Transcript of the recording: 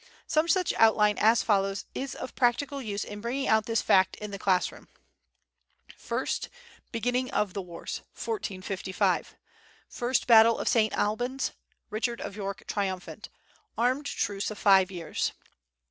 Some such outline as follows is of practical use in bringing out this fact in the class room: First Beginning of the wars, 1455. First battle of St. Albans, Richard of York triumphant. Armed truce of five years.